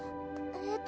えっと